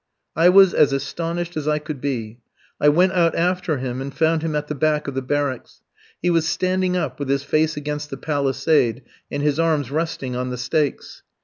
I was as astonished as I could be. I went out after him, and found him at the back of the barracks. He was standing up with his face against the palisade and his arms resting on the stakes.